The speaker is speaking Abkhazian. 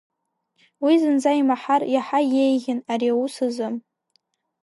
Уи зынӡа имаҳар иаҳа иеиӷьын ари аус азы.